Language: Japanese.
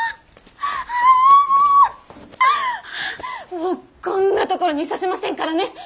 もうこんなところにいさせませんからね。